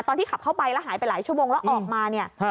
ตอนที่ขับเข้าไปแล้วหายไปหลายชั่วโมงแล้วออกมาเนี่ย